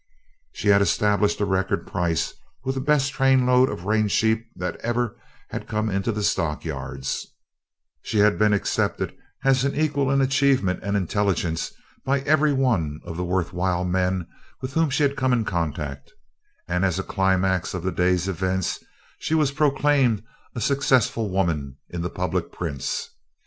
She had established a record price with the best trainload of range sheep that ever had come into the stockyards; she had been accepted as an equal in achievement and intelligence by every one of the worthwhile men with whom she had come in contact; and as a climax to the day's events she was proclaimed a successful woman in the public prints.